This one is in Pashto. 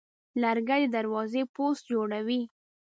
لرګی د دروازې پوست جوړوي.